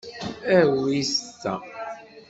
Awit ta.